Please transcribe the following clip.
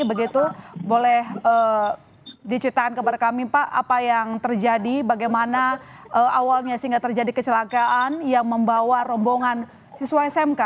begitu boleh diceritakan kepada kami pak apa yang terjadi bagaimana awalnya sehingga terjadi kecelakaan yang membawa rombongan siswa smk